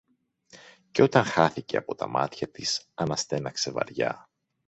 Και όταν χάθηκε από τα μάτια της, αναστέναξε βαριά